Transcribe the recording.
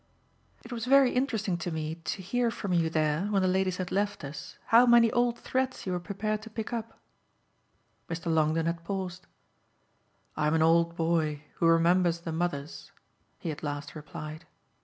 "It was very interesting to me to hear from you there, when the ladies had left us, how many old threads you were prepared to pick up." Mr. Longdon had paused. "I'm an old boy who remembers the mothers," he at last replied.